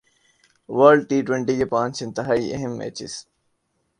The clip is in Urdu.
ورلڈ ٹی ٹوئنٹی کے پانچ انتہائی اہم میچز